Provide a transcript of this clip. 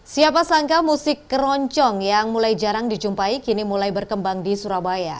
siapa sangka musik keroncong yang mulai jarang dijumpai kini mulai berkembang di surabaya